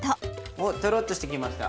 おっトロッとしてきました。